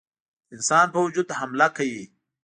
د انسان په وجود حمله کوي.